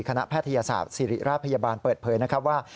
แพทยศาสตร์ศิริราชพยาบาลเปิดเผยนะครับว่า